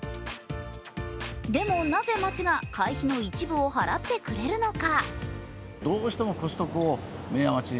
でも、なぜ町が会費の一部を払ってくれるのか。